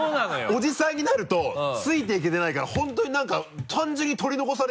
おじさんになるとついていけてないから本当になんか単純に取り残されるよ。